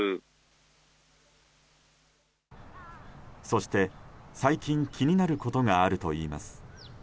そして最近気になることがあるといいます。